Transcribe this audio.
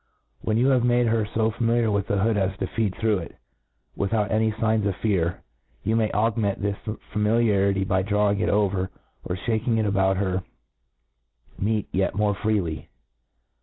When you have made. her fo. familiar with the hood ^s to feed through it without any figns of fear, you may augment this familiarity by drawing it over, or Ihaking it about her meatyet more freely.